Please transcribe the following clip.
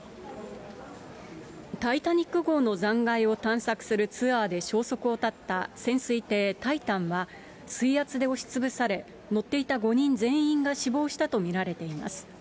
タイタニック号の残骸を探索するツアーで消息を絶った潜水艇タイタンは、水圧で押しつぶされ、乗っていた５人全員が死亡したと見られています。